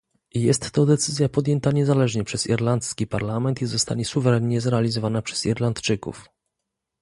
Jest to decyzja podjęta niezależnie przez irlandzki parlament i zostanie suwerennie zrealizowana przez Irlandczyków